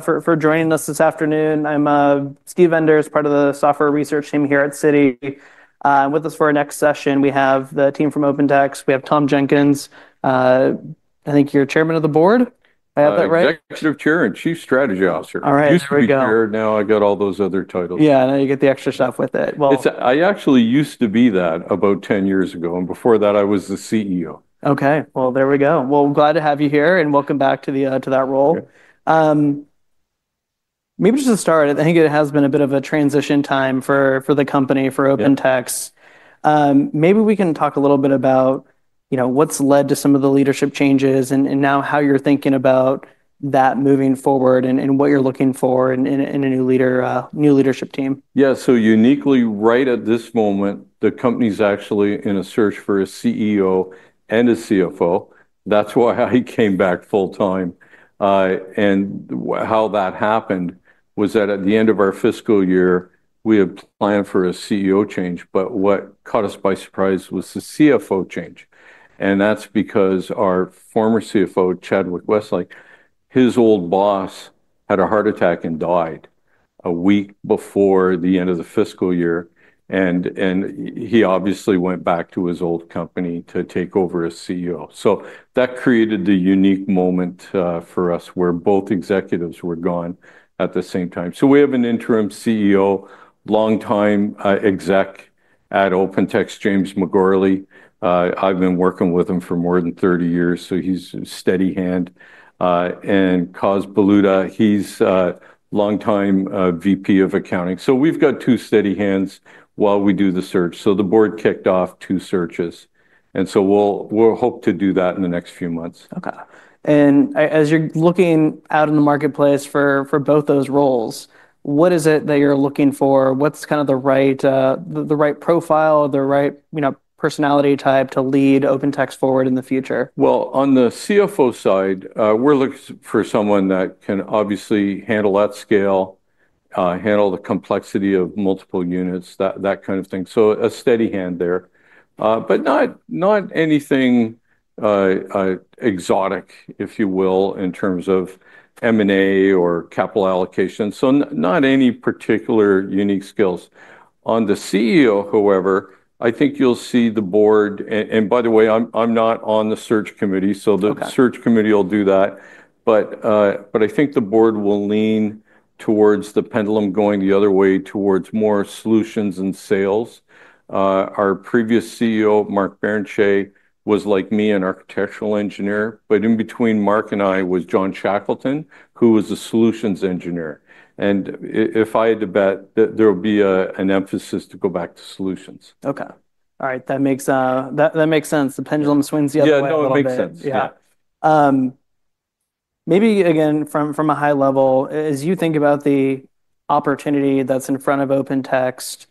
For joining us this afternoon. I'm Skee Venders, part of the software research team here at Citi. With us for our next session, we have the team from OpenText. We have Tom Jenkins. I think you're Chairman of the Board. I have that right? Executive Chair and Chief Strategy Officer. All right. Used to be a Chair. Now I got all those other titles. Yeah, now you get the extra stuff with it. I actually used to be that about 10 years ago, and before that, I was the CEO. Okay, glad to have you here and welcome back to that role. Maybe just to start, I think it has been a bit of a transition time for the company, for OpenText. Maybe we can talk a little bit about what's led to some of the leadership changes and now how you're thinking about that moving forward and what you're looking for in a new leadership team. Yeah, so uniquely right at this moment, the company's actually in a search for a CEO and a CFO. That's why I came back full-time. How that happened was that at the end of our fiscal year, we had planned for a CEO change, but what caught us by surprise was the CFO change. That's because our former CFO, Chadwick Westlake, his old boss had a heart attack and died a week before the end of the fiscal year. He obviously went back to his old company to take over as CEO. That created the unique moment for us where both executives were gone at the same time. We have an interim CEO, longtime exec at OpenText, James McGourlay. I've been working with him for more than 30 years, so he's a steady hand. Cos Balota, he's a longtime VP of Accounting. We've got two steady hands while we do the search. The board kicked off two searches. We'll hope to do that in the next few months. Okay. As you're looking out in the marketplace for both those roles, what is it that you're looking for? What's kind of the right profile or the right personality type to lead OpenText forward in the future? On the CFO side, we're looking for someone that can obviously handle that scale, handle the complexity of multiple units, that kind of thing. A steady hand there, but not anything exotic, if you will, in terms of M&A or capital allocation. Not any particular unique skills. On the CEO, however, I think you'll see the board, and by the way, I'm not on the search committee, so the search committee will do that. I think the board will lean towards the pendulum going the other way towards more solutions and sales. Our previous CEO, Mark Barrenechea, was like me an architectural engineer, but in between Mark and I was John Shackleton, who was a solutions engineer. If I had to bet, there'll be an emphasis to go back to solutions. Okay. All right, that makes sense. The pendulum swings the other way. Yeah, no, it makes sense. Yeah. Maybe again from a high level, as you think about the opportunity that's in front of OpenText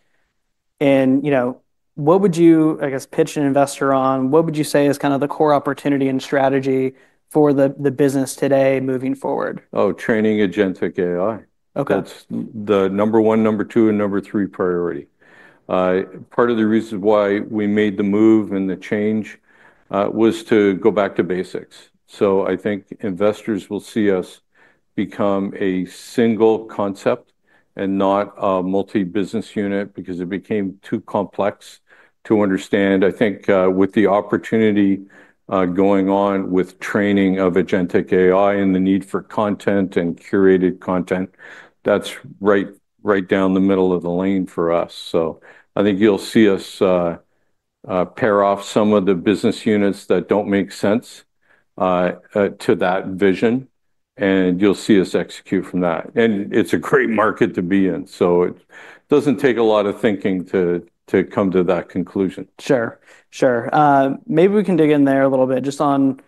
and you know what would you, I guess, pitch an investor on, what would you say is kind of the core opportunity and strategy for the business today moving forward? Training agentic AI. That's the number one, number two, and number three priority. Part of the reasons why we made the move and the change was to go back to basics. I think investors will see us become a single concept and not a multi-business unit because it became too complex to understand. I think with the opportunity going on with training of agentic AI and the need for content and curated content, that's right down the middle of the lane for us. I think you'll see us pair off some of the business units that don't make sense to that vision, and you'll see us execute from that. It's a great market to be in. It doesn't take a lot of thinking to come to that conclusion. Sure, maybe we can dig in there a little bit just on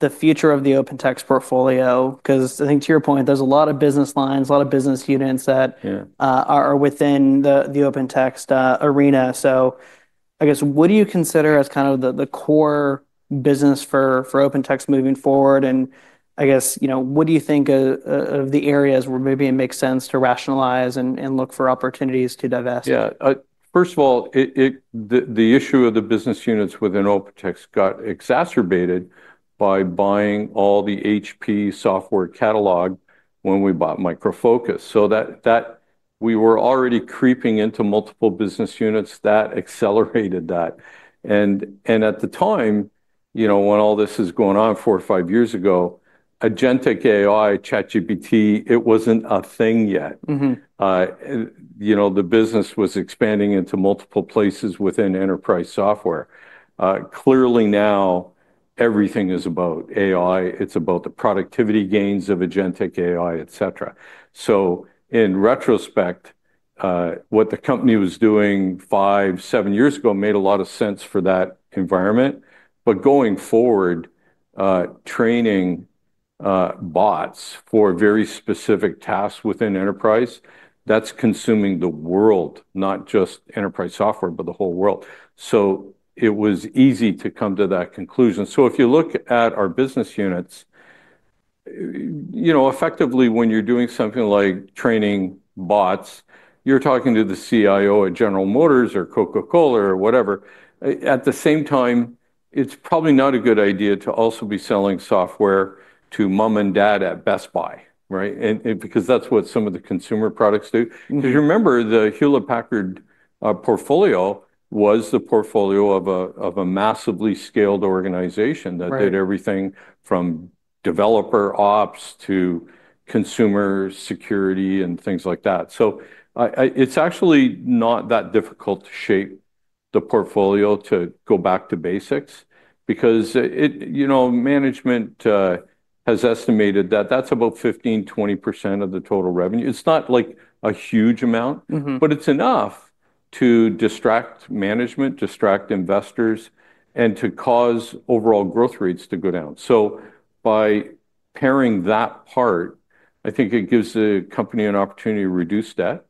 the future of the OpenText portfolio, because I think to your point, there's a lot of business lines, a lot of business units that are within the OpenText arena. I guess what do you consider as kind of the core business for OpenText moving forward? I guess, you know, what do you think of the areas where maybe it makes sense to rationalize and look for opportunities to divest? Yeah. First of all, the issue of the business units within OpenText got exacerbated by buying all the HP software catalog when we bought Micro Focus. We were already creeping into multiple business units and that accelerated that. At the time, when all this is going on four or five years ago, agentic AI, ChatGPT, it wasn't a thing yet. The business was expanding into multiple places within enterprise software. Clearly now everything is about AI. It's about the productivity gains of agentic AI, etc. In retrospect, what the company was doing five, seven years ago made a lot of sense for that environment. Going forward, training bots for very specific tasks within enterprise, that's consuming the world, not just enterprise software, but the whole world. It was easy to come to that conclusion. If you look at our business units, effectively when you're doing something like training bots, you're talking to the CIO at General Motors or Coca-Cola or whatever. At the same time, it's probably not a good idea to also be selling software to mom and dad at Best Buy, right? That's what some of the consumer products do. Remember, the Hewlett-Packard portfolio was the portfolio of a massively scaled organization that did everything from developer ops to consumer security and things like that. It's actually not that difficult to shape the portfolio to go back to basics because management has estimated that that's about 15%, 20% of the total revenue. It's not like a huge amount, but it's enough to distract management, distract investors, and to cause overall growth rates to go down. By pairing that part, I think it gives the company an opportunity to reduce debt,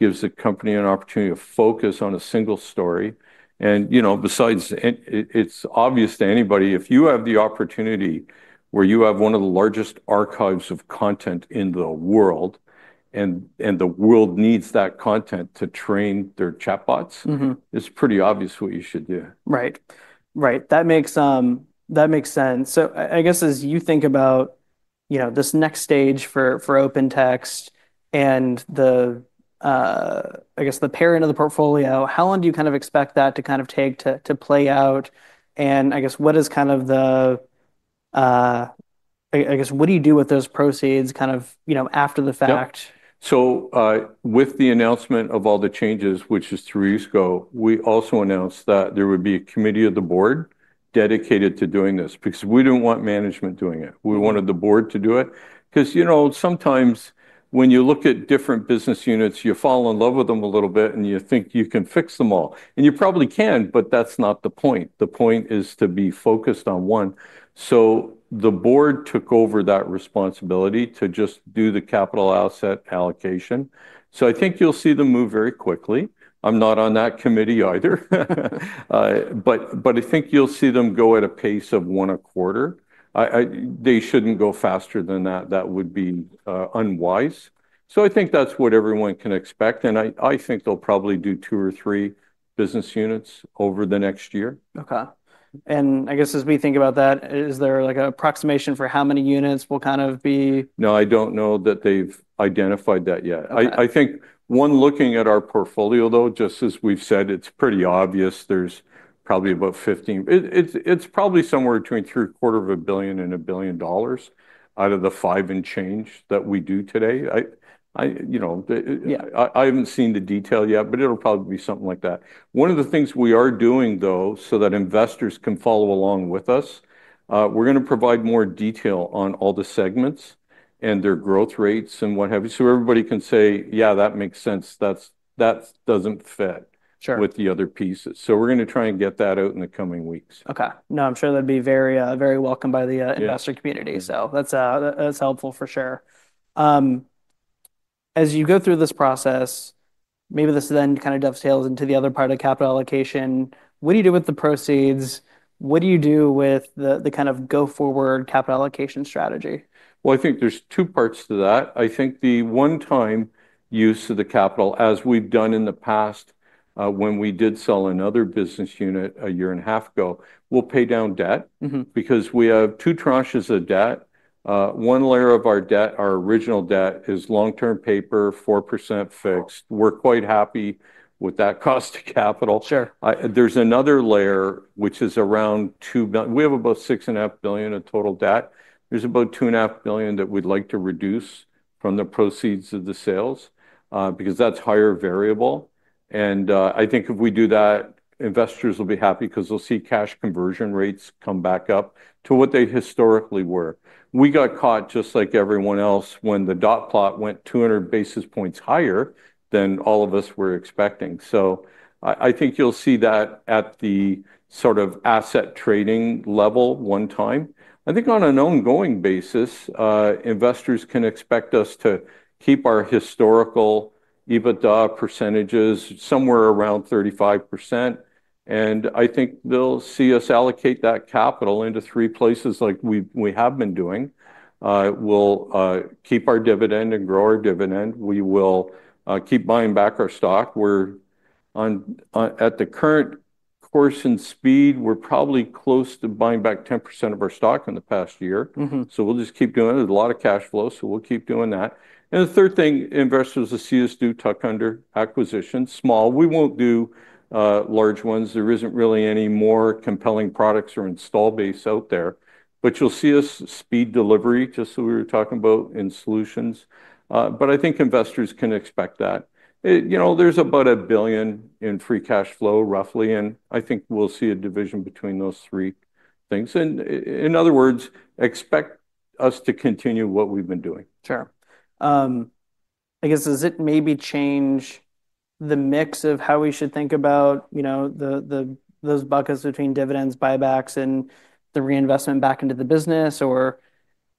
gives the company an opportunity to focus on a single story. Besides, it's obvious to anybody, if you have the opportunity where you have one of the largest archives of content in the world and the world needs that content to train their chatbots, it's pretty obvious what you should do. Right. That makes sense. As you think about this next stage for OpenText and the parent of the portfolio, how long do you expect that to take to play out? What do you do with those proceeds after the fact? Yeah. With the announcement of all the changes, which is three years ago, we also announced that there would be a committee of the board dedicated to doing this because we didn't want management doing it. We wanted the board to do it because, you know, sometimes when you look at different business units, you fall in love with them a little bit and you think you can fix them all. You probably can, but that's not the point. The point is to be focused on one. The board took over that responsibility to just do the capital asset allocation. I think you'll see them move very quickly. I'm not on that committee either. I think you'll see them go at a pace of one a quarter. They shouldn't go faster than that. That would be unwise. I think that's what everyone can expect. I think they'll probably do two or three business units over the next year. Okay. As we think about that, is there an approximation for how many units will kind of be? No, I don't know that they've identified that yet. I think, one, looking at our portfolio though, just as we've said, it's pretty obvious. There's probably about 15, it's probably somewhere between $750 million and $1 billion out of the $5 billion and change that we do today. I haven't seen the detail yet, but it'll probably be something like that. One of the things we are doing, though, so that investors can follow along with us, we're going to provide more detail on all the segments and their growth rates and what have you. Everybody can say, yeah, that makes sense, that doesn't fit with the other pieces. We're going to try and get that out in the coming weeks. Okay. I'm sure that'd be very, very welcome by the investor community. That's helpful for sure. As you go through this process, maybe this then kind of dovetails into the other part of capital allocation. What do you do with the proceeds? What do you do with the kind of go-forward capital allocation strategy? I think there's two parts to that. The one-time use of the capital, as we've done in the past when we did sell another business unit a year and a half ago, we'll pay down debt because we have two tranches of debt. One layer of our debt, our original debt, is long-term paper, 4% fixed. We're quite happy with that cost of capital. There's another layer, which is around $2 billion. We have about $6.5 billion in total debt. There's about $2.5 billion that we'd like to reduce from the proceeds of the sales because that's higher variable. If we do that, investors will be happy because they'll see cash conversion rates come back up to what they historically were. We got caught just like everyone else when the dot plot went 200 basis points higher than all of us were expecting. I think you'll see that at the sort of asset trading level one time. On an ongoing basis, investors can expect us to keep our historical EBITDA percentages somewhere around 35%. I think they'll see us allocate that capital into three places like we have been doing. We'll keep our dividend and grow our dividend. We will keep buying back our stock. At the current course and speed, we're probably close to buying back 10% of our stock in the past year. We'll just keep doing it. There's a lot of cash flow, so we'll keep doing that. The third thing, investors will see us do tuck-in acquisitions, small. We won't do large ones. There isn't really any more compelling products or install base out there. You'll see us speed delivery, just as we were talking about in solutions. I think investors can expect that. There's about $1 billion in free cash flow, roughly. I think we'll see a division between those three things. In other words, expect us to continue what we've been doing. Sure. I guess does it maybe change the mix of how we should think about, you know, those buckets between dividends, buybacks, and the reinvestment back into the business?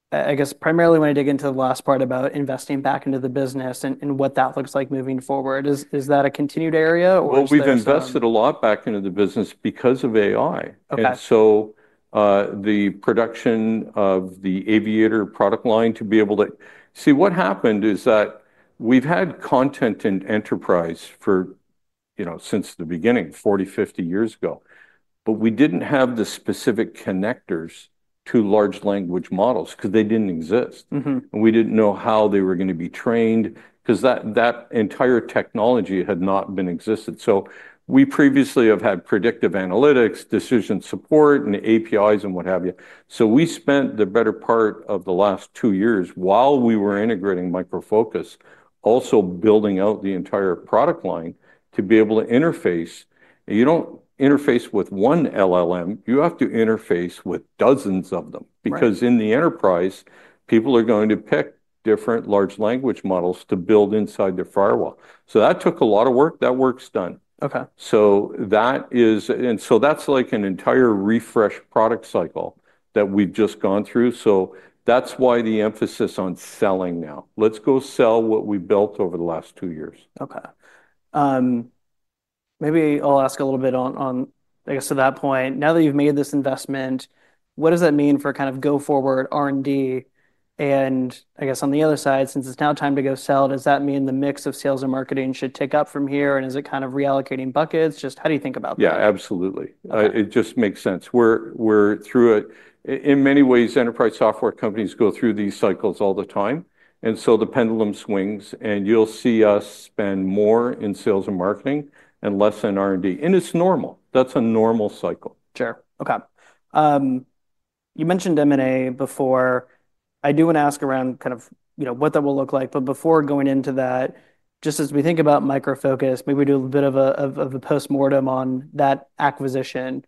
I guess primarily when I dig into the last part about investing back into the business and what that looks like moving forward, is that a continued area? We've invested a lot back into the business because of AI. The production of the OpenText™ Aviator AI product line, to be able to see what happened, is that we've had content in enterprise for, you know, since the beginning, 40, 50 years ago. We didn't have the specific connectors to large language models because they didn't exist. We didn't know how they were going to be trained because that entire technology had not existed. We previously have had predictive analytics, decision support, and APIs, and what have you. We spent the better part of the last two years while we were integrating Micro Focus, also building out the entire product line to be able to interface. You don't interface with one LLM. You have to interface with dozens of them because in the enterprise, people are going to pick different large language models to build inside the firewall. That took a lot of work. That work's done. Okay. That is like an entire refresh product cycle that we've just gone through. That's why the emphasis on selling now. Let's go sell what we built over the last two years. Okay. Maybe I'll ask a little bit on, I guess, to that point. Now that you've made this investment, what does that mean for kind of go-forward R&D? On the other side, since it's now time to go sell, does that mean the mix of sales and marketing should tick up from here? Is it kind of reallocating buckets? Just how do you think about that? Yeah, absolutely. It just makes sense. We're through it. In many ways, enterprise software companies go through these cycles all the time. The pendulum swings, and you'll see us spend more in sales and marketing and less in R&D. It's normal. That's a normal cycle. Sure. Okay. You mentioned M&A before. I do want to ask around kind of, you know, what that will look like. Before going into that, just as we think about Micro Focus, maybe we do a little bit of a postmortem on that acquisition.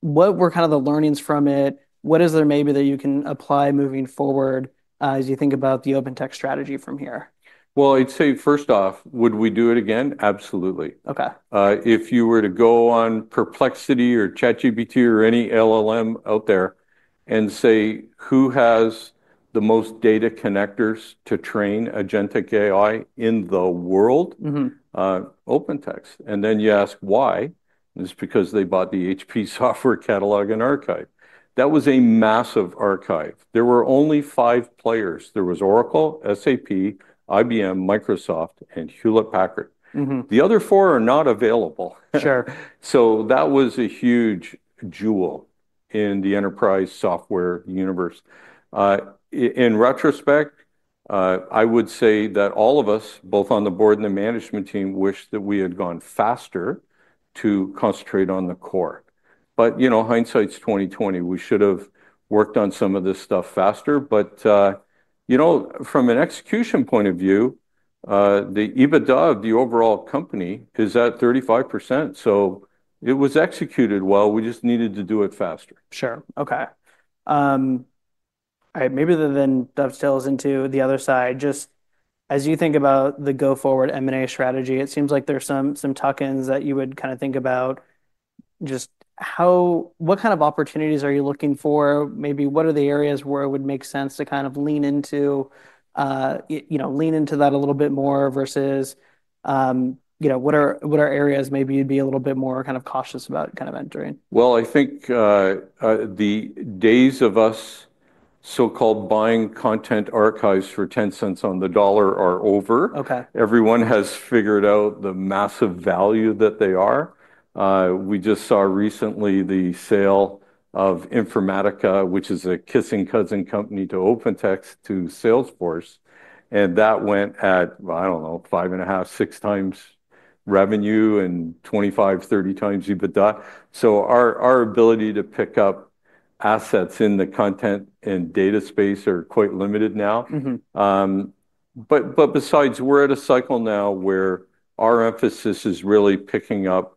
What were kind of the learnings from it? What is there maybe that you can apply moving forward as you think about the OpenText strategy from here? I'd say first off, would we do it again? Absolutely. Okay. If you were to go on Perplexity or ChatGPT or any LLM out there and say, who has the most data connectors to train agentic AI in the world? OpenText. You ask why. It's because they bought the HP software catalog and archive. That was a massive archive. There were only five players. There was Oracle, SAP, IBM, Microsoft, and Hewlett-Packard. The other four are not available. Sure. That was a huge jewel in the enterprise software universe. In retrospect, I would say that all of us, both on the board and the management team, wish that we had gone faster to concentrate on the core. Hindsight's 20/20. We should have worked on some of this stuff faster. From an execution point of view, the EBITDA, the overall company, is at 35%. It was executed well. We just needed to do it faster. Sure. Okay. Maybe to then dovetail into the other side, just as you think about the go-forward M&A strategy, it seems like there's some tuck-ins that you would kind of think about. Just how, what kind of opportunities are you looking for? Maybe what are the areas where it would make sense to kind of lean into, you know, lean into that a little bit more versus, you know, what are areas maybe you'd be a little bit more kind of cautious about entering? I think the days of us so-called buying enterprise content archives for $0.10 on the dollar are over. Okay. Everyone has figured out the massive value that they are. We just saw recently the sale of Informatica, which is a kissing cousin company to OpenText to Salesforce. That went at, I don't know, 5.5x, 6x revenue and 25x, 30x EBITDA. Our ability to pick up assets in the content and data space are quite limited now. Besides, we're at a cycle now where our emphasis is really picking up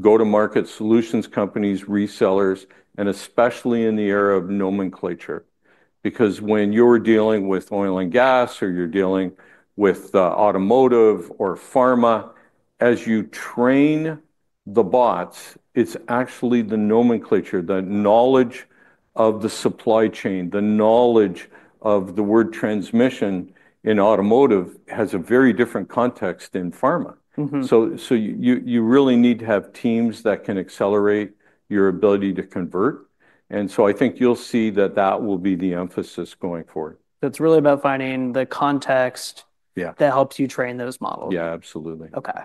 go-to-market solutions companies, resellers, especially in the era of nomenclature. When you're dealing with oil and gas or you're dealing with automotive or pharma, as you train the bots, it's actually the nomenclature, the knowledge of the supply chain, the knowledge of the word transmission in automotive has a very different context in pharma. You really need to have teams that can accelerate your ability to convert. I think you'll see that will be the emphasis going forward. It's really about finding the context that helps you train those models. Yeah, absolutely. Okay.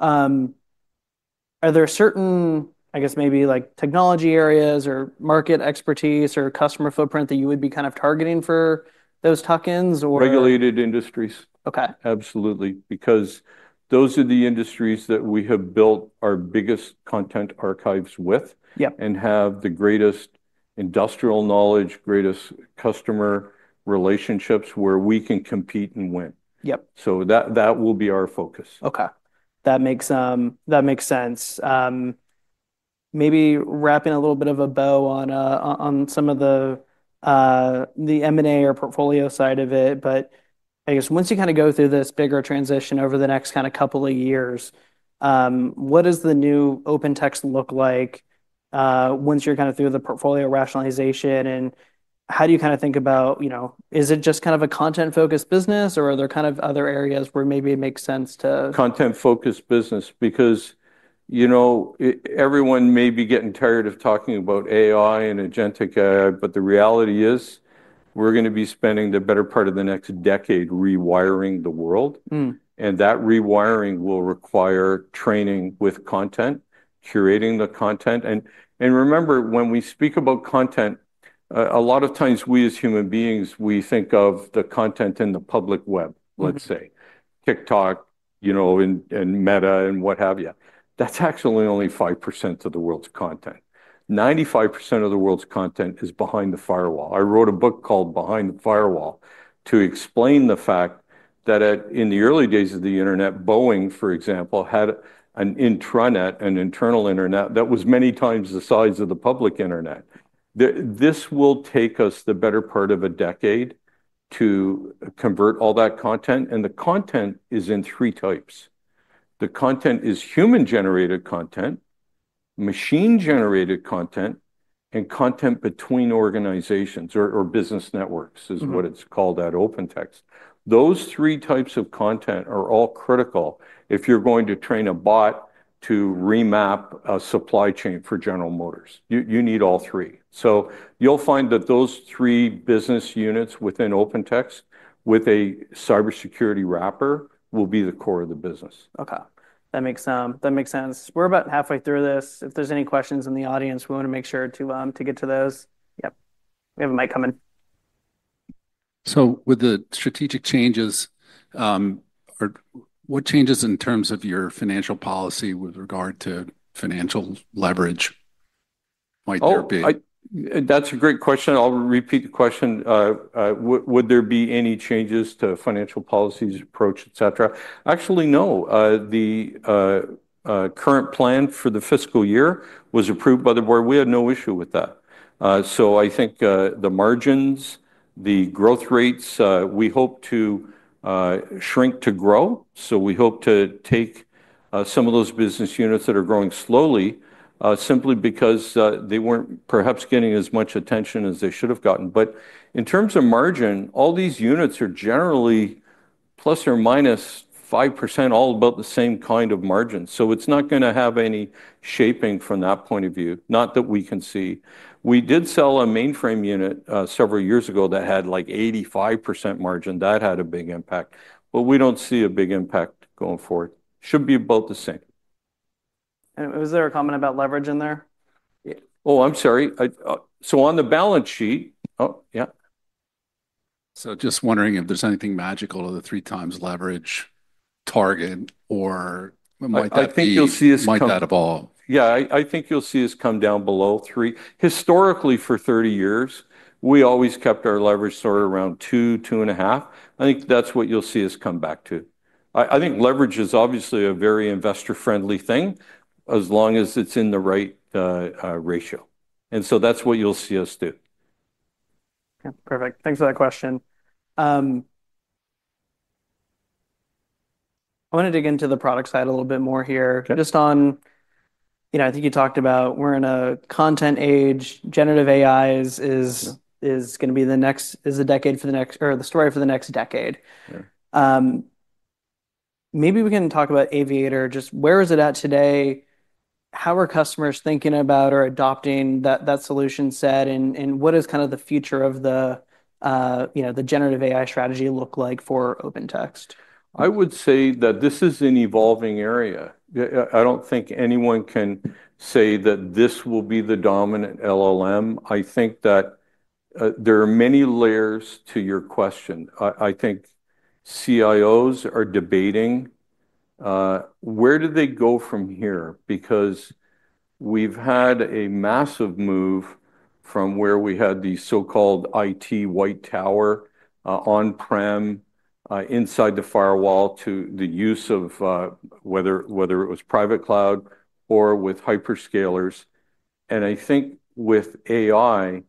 Are there certain, I guess, maybe like technology areas or market expertise or customer footprint that you would be kind of targeting for those tuck-ins? Regulated industries. Okay. Absolutely. Because those are the industries that we have built our biggest enterprise content archives with and have the greatest industrial knowledge, greatest customer relationships where we can compete and win. Yep. That will be our focus. Okay. That makes sense. Maybe wrapping a little bit of a bow on some of the M&A or portfolio side of it. I guess once you kind of go through this bigger transition over the next kind of couple of years, what does the new OpenText look like once you're kind of through the portfolio rationalization? How do you kind of think about, you know, is it just kind of a content-focused business or are there kind of other areas where maybe it makes sense to? Content-focused business because, you know, everyone may be getting tired of talking about AI and agentic AI, but the reality is we're going to be spending the better part of the next decade rewiring the world. That rewiring will require training with content, curating the content. Remember, when we speak about content, a lot of times we as human beings, we think of the content in the public web, let's say TikTok, you know, and Meta and what have you. That's actually only 5% of the world's content. 95% of the world's content is behind the firewall. I wrote a book called Behind the Firewall to explain the fact that in the early days of the internet, Boeing, for example, had an intranet, an internal internet that was many times the size of the public internet. This will take us the better part of a decade to convert all that content. The content is in three types. The content is human-generated content, machine-generated content, and content between organizations or business networks is what it's called at OpenText. Those three types of content are all critical if you're going to train a bot to remap a supply chain for General Motors. You need all three. You'll find that those three business units within OpenText with a cybersecurity wrapper will be the core of the business. Okay, that makes sense. We're about halfway through this. If there's any questions in the audience, we want to make sure to get to those. Yep, we have a mic coming. With the strategic changes, what changes in terms of your financial policy with regard to financial leverage might there be? That's a great question. I'll repeat the question. Would there be any changes to financial policies, approach, et cetera? Actually, no. The current plan for the fiscal year was approved by the board. We had no issue with that. I think the margins, the growth rates, we hope to shrink to grow. We hope to take some of those business units that are growing slowly simply because they weren't perhaps getting as much attention as they should have gotten. In terms of margin, all these units are generally ± 5%, all about the same kind of margin. It's not going to have any shaping from that point of view, not that we can see. We did sell a mainframe unit several years ago that had like 85% margin. That had a big impact, but we don't see a big impact going forward. It should be about the same. Was there a comment about leverage in there? Oh, I'm sorry. On the balance sheet, oh yeah. Is there anything magical of the three times leverage target, or might that evolve? I think you'll see us come down below 3. Historically, for 30 years, we always kept our leverage sort of around 2, 2.5. I think that's what you'll see us come back to. I think leverage is obviously a very investor-friendly thing as long as it's in the right ratio. That's what you'll see us do. Okay, perfect. Thanks for that question. I want to dig into the product side a little bit more here. Just on, you know, I think you talked about we're in a content age. Generative AI is going to be the next, is the decade for the next, or the story for the next decade. Maybe we can talk about OpenText™ Aviator AI. Just where is it at today? How are customers thinking about or adopting that solution set? What is kind of the future of the, you know, the generative AI strategy look like for OpenText? I would say that this is an evolving area. I don't think anyone can say that this will be the dominant LLM. I think that there are many layers to your question. I think CIOs are debating where do they go from here because we've had a massive move from where we had the so-called IT white tower on-prem inside the firewall to the use of whether it was private cloud or with hyperscalers. I think with AI,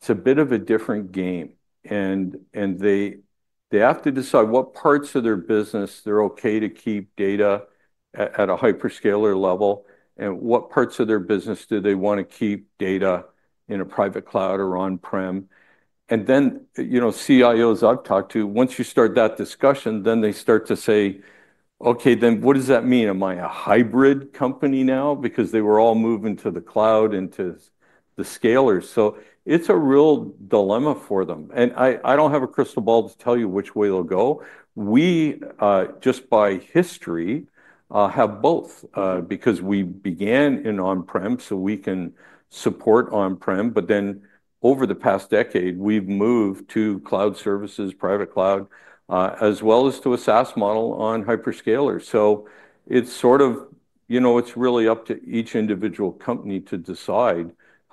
it's a bit of a different game. They have to decide what parts of their business they're okay to keep data at a hyperscaler level and what parts of their business do they want to keep data in a private cloud or on-prem. CIOs I've talked to, once you start that discussion, then they start to say, okay, then what does that mean? Am I a hybrid company now? Because they were all moving to the cloud and to the scalers. It's a real dilemma for them. I don't have a crystal ball to tell you which way they'll go. We, just by history, have both because we began in on-prem, so we can support on-prem. Over the past decade, we've moved to cloud services, private cloud, as well as to a SaaS model on hyperscalers. It's really up to each individual company to decide how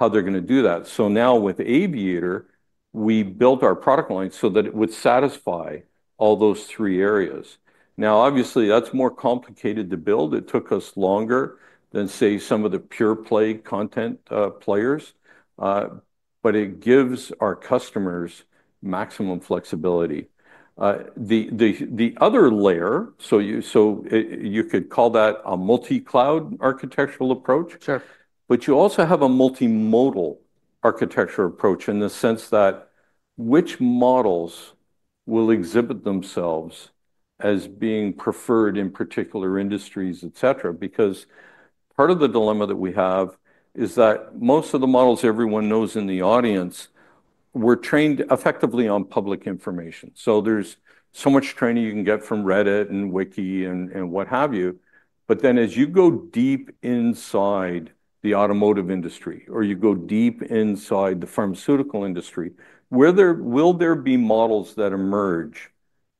they're going to do that. Now with Aviator, we built our product line so that it would satisfy all those three areas. Obviously, that's more complicated to build. It took us longer than, say, some of the pure play content players. It gives our customers maximum flexibility. The other layer, so you could call that a multi-cloud architectural approach. Sure. You also have a multimodal architecture approach in the sense that which models will exhibit themselves as being preferred in particular industries, et cetera. Part of the dilemma that we have is that most of the models everyone knows in the audience were trained effectively on public information. There's so much training you can get from Reddit and Wiki and what have you. As you go deep inside the automotive industry or you go deep inside the pharmaceutical industry, will there be models that emerge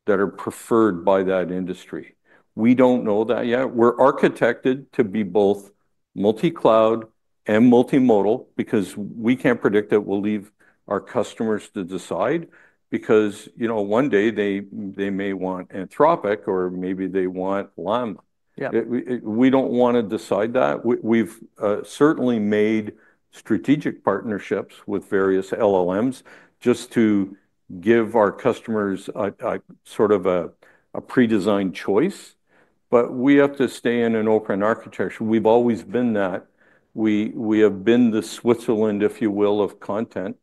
that are preferred by that industry? We don't know that yet. We're architected to be both multi-cloud and multimodal because we can't predict it. We'll leave our customers to decide because, you know, one day they may want Anthropic or maybe they want Llama. Yeah. We don't want to decide that. We've certainly made strategic partnerships with various LLMs just to give our customers a sort of a pre-designed choice. We have to stay in an open architecture. We've always been that. We have been the Switzerland, if you will, of content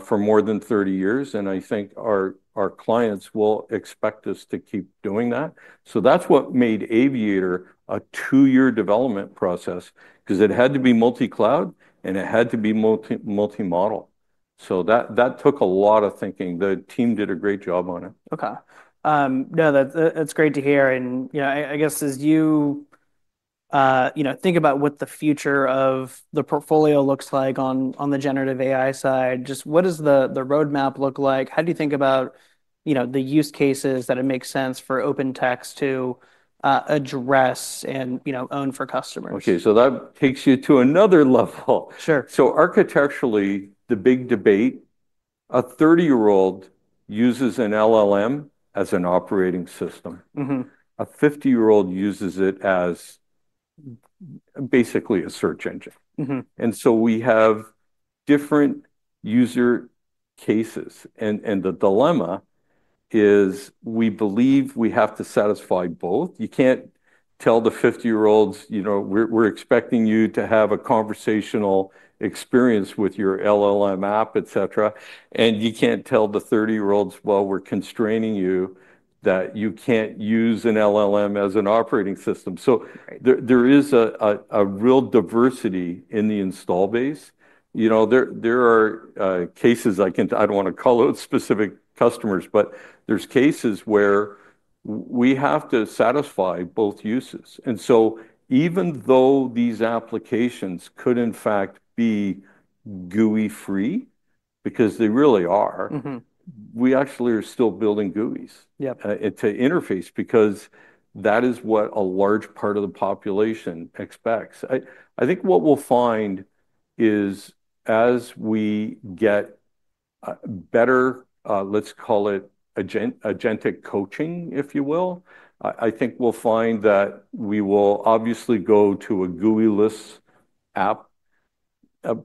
for more than 30 years. I think our clients will expect us to keep doing that. That's what made Aviator a two-year development process because it had to be multi-cloud and it had to be multimodal. That took a lot of thinking. The team did a great job on it. Okay, that's great to hear. As you think about what the future of the portfolio looks like on the generative AI side, what does the roadmap look like? How do you think about the use cases that it makes sense for OpenText to address and own for customers? Okay, that takes you to another level. Sure. Architecturally, the big debate is a 30-year-old uses an LLM as an operating system. A 50-year-old uses it as basically a search engine. We have different user cases, and the dilemma is we believe we have to satisfy both. You can't tell the 50-year-olds, you know, we're expecting you to have a conversational experience with your LLM app, et cetera. You can't tell the 30-year-olds, well, we're constraining you that you can't use an LLM as an operating system. There is a real diversity in the install base. There are cases, I don't want to call out specific customers, but there's cases where we have to satisfy both uses. Even though these applications could in fact be GUI-free, because they really are, we actually are still building GUIs to interface because that is what a large part of the population expects. I think what we'll find is as we get better, let's call it agentic coaching, if you will, I think we'll find that we will obviously go to a GUI-less app,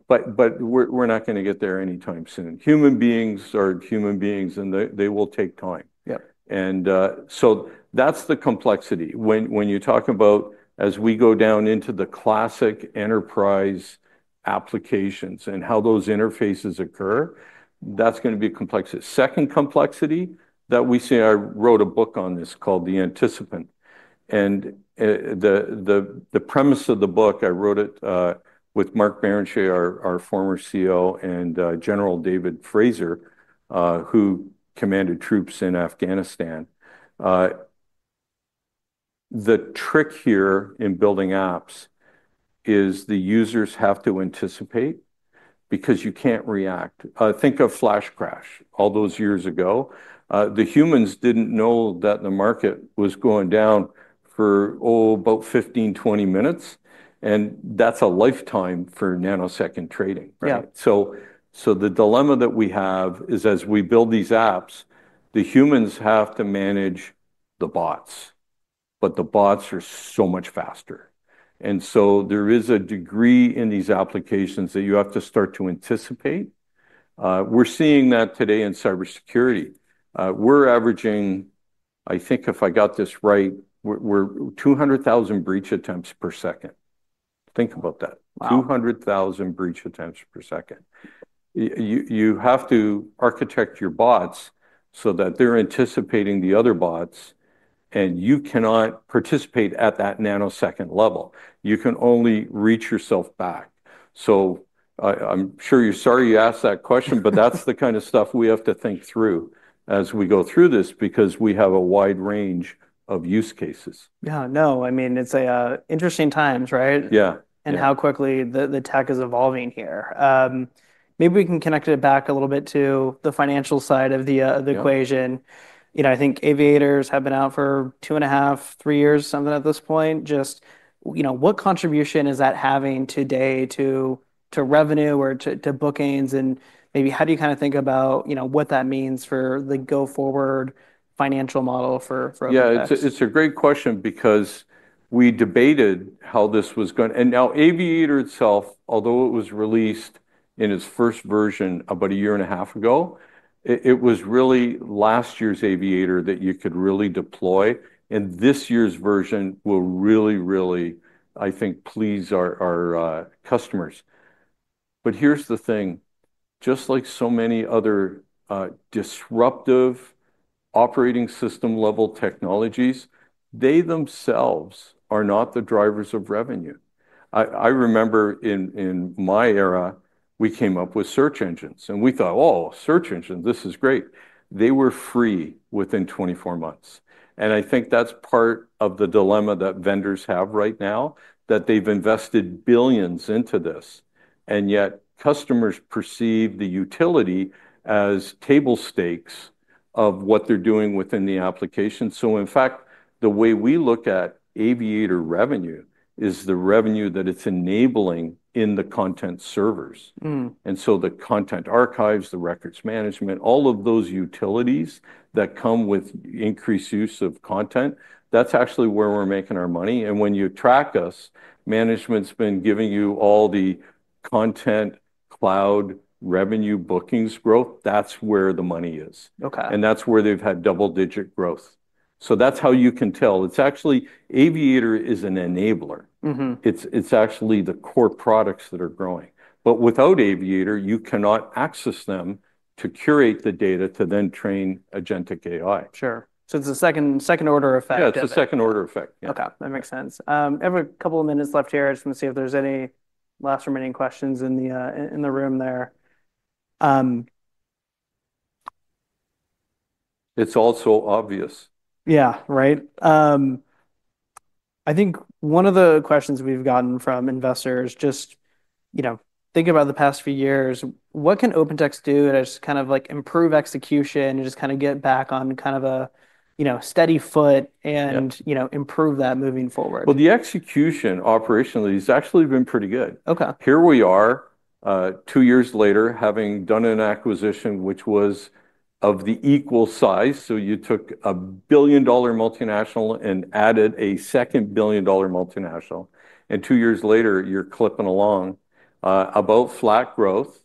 but we're not going to get there anytime soon. Human beings are human beings and they will take time. Yep. That's the complexity. When you talk about, as we go down into the classic enterprise applications and how those interfaces occur, that's going to be a complexity. The second complexity that we see, I wrote a book on this called The Anticipant. The premise of the book, I wrote it with Mark Barrenechea, our former CEO, and General David Fraser, who commanded troops in Afghanistan. The trick here in building apps is the users have to anticipate because you can't react. Think of Flash Crash all those years ago. The humans didn't know that the market was going down for about 15 - 20 minutes. That's a lifetime for nanosecond trading. Right. The dilemma that we have is as we build these apps, the humans have to manage the bots, but the bots are so much faster. There is a degree in these applications that you have to start to anticipate. We're seeing that today in cybersecurity. We're averaging, I think if I got this right, we're 200,000 breach attempts per second. Think about that. 200,000 breach attempts per second. You have to architect your bots so that they're anticipating the other bots, and you cannot participate at that nanosecond level. You can only reach yourself back. I'm sure you're sorry you asked that question, but that's the kind of stuff we have to think through as we go through this because we have a wide range of use cases. Yeah, no, I mean it's interesting times, right? Yeah. How quickly the tech is evolving here. Maybe we can connect it back a little bit to the financial side of the equation. I think Aviators have been out for two and a half, three years, something at this point. What contribution is that having today to revenue or to bookings? Maybe how do you kind of think about what that means for the go-forward financial model for OpenText? Yeah, it's a great question because we debated how this was going to, and now Aviator itself, although it was released in its first version about a year and a half ago, it was really last year's Aviator that you could really deploy. This year's version will really, really, I think, please our customers. Here's the thing, just like so many other disruptive operating system level technologies, they themselves are not the drivers of revenue. I remember in my era, we came up with search engines and we thought, oh, search engine, this is great. They were free within 24 months. I think that's part of the dilemma that vendors have right now, that they've invested billions into this. Yet customers perceive the utility as table stakes of what they're doing within the application. In fact, the way we look at Aviator revenue is the revenue that it's enabling in the content servers. The content archives, the records management, all of those utilities that come with increased use of content, that's actually where we're making our money. When you track us, management's been giving you all the content cloud revenue bookings growth. That's where the money is. Okay. That's where they've had double-digit growth. That's how you can tell. It's actually, Aviator is an enabler. It's actually the core products that are growing. Without Aviator, you cannot access them to curate the data to then train agentic AI. Sure, it's a second order effect. It's a second order effect. Okay, that makes sense. I have a couple of minutes left here. I just want to see if there's any last remaining questions in the room there. It's also obvious. Yeah, right. I think one of the questions we've gotten from investors is just, you know, think about the past few years. What can OpenText do to just kind of improve execution and just kind of get back on kind of a, you know, steady foot and, you know, improve that moving forward? The execution operationally has actually been pretty good. Okay. Here we are, two years later, having done an acquisition which was of the equal size. You took a $1 billion multinational and added a second $1 billion multinational. Two years later, you're clipping along about flat growth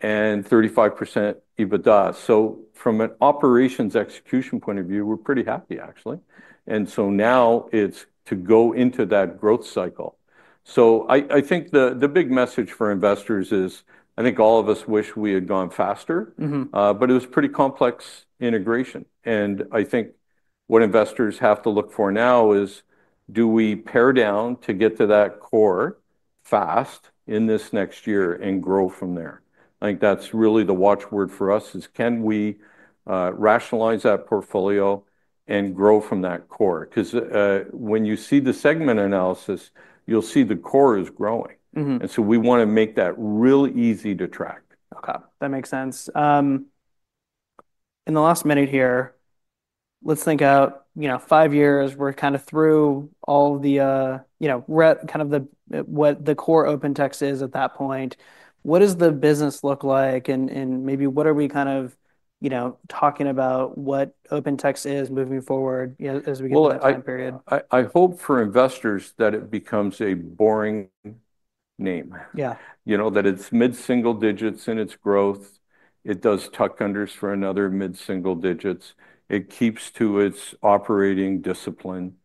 and 35% EBITDA. From an operations execution point of view, we're pretty happy, actually. Now it's to go into that growth cycle. I think the big message for investors is I think all of us wish we had gone faster, but it was a pretty complex integration. What investors have to look for now is do we pare down to get to that core fast in this next year and grow from there? I think that's really the watchword for us: can we rationalize that portfolio and grow from that core? When you see the segment analysis, you'll see the core is growing. We want to make that really easy to track. Okay, that makes sense. In the last minute here, let's think out, you know, five years. We're kind of through all the, you know, kind of what the core OpenText is at that point. What does the business look like? Maybe what are we kind of, you know, talking about what OpenText is moving forward as we get to that time period? I hope for investors that it becomes a boring name. Yeah. You know, that it's mid-single digits in its growth. It does tuck-unders for another mid-single digits. It keeps to its operating discipline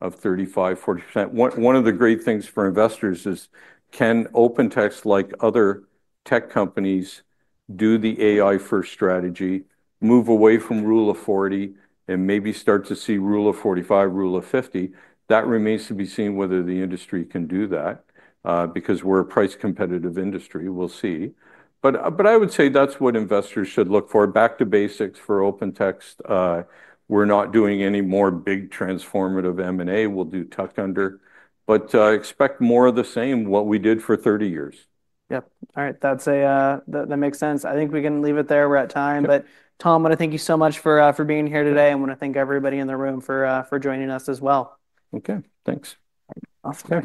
of 35%-40%. One of the great things for investors is can OpenText, like other tech companies, do the AI-first strategy, move away from rule of 40%, and maybe start to see rule of 45%, rule of 50%? That remains to be seen whether the industry can do that because we're a price-competitive industry. We'll see. I would say that's what investors should look for. Back to basics for OpenText. We're not doing any more big transformative M&A. We'll do tuck-under. Expect more of the same what we did for 30 years. All right. That makes sense. I think we can leave it there. We're at time. Tom, I want to thank you so much for being here today. I want to thank everybody in the room for joining us as well. Okay. Thanks. Awesome.